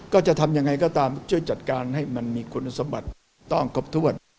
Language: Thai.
จะทำยังไงก็ตามช่วยจัดการให้มันมีคุณสมบัติต้องครบถ้วน